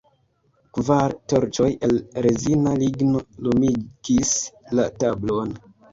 Kvar torĉoj el rezina ligno lumigis la tablon.